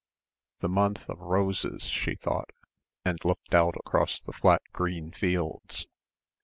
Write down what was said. The month of roses, she thought, and looked out across the flat green fields.